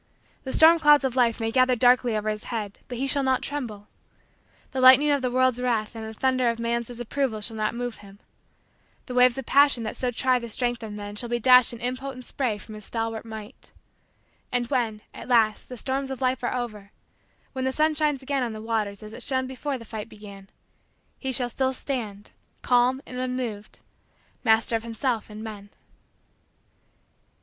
The storm clouds of life may gather darkly over his head but he shall not tremble. The lightning of the world's wrath and the thunder of man's disapproval shall not move him. The waves of passion that so try the strength of men shall be dashed in impotent spray from his stalwart might. And when, at last, the storms of life are over when the sun shines again on the waters as it shone before the fight began he shall still stand, calm and unmoved, master of himself and men.